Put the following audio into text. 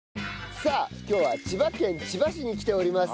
さあ今日は千葉県千葉市に来ております。